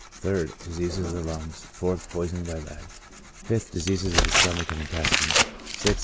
3d. Diseases of the lungs. 4th. Poisoning by lead. 5th. Diseases of the stomach and intestines. 6th.